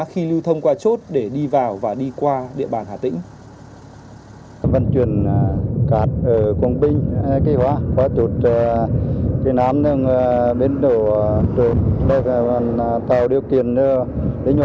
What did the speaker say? chốt để đi vào và đi qua địa bàn hà tĩnh